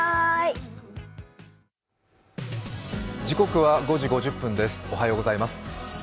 時刻は５時５０分です、おはようございます。